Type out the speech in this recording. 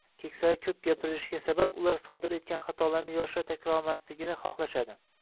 Keksalar ko‘p gapirishiga sabab, ular sodir etgan xatolarni yoshlar takrorlamasligini xohlashadi.